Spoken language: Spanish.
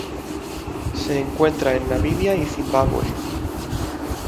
Se encuentra en Namibia y Zimbabue.